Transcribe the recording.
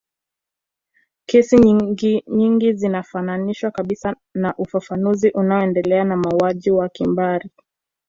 Kesi nyingi zinafananishwa kabisa na ufafanuzi unao endelea wa mauaji ya kimbari